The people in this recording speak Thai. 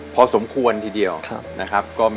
พอสมควรทีเดียวนะครับ